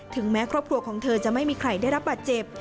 แม้ครอบครัวของเธอจะไม่มีใครได้รับบาดเจ็บ